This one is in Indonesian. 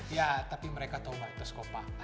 ya tapi mereka tau batas kok pak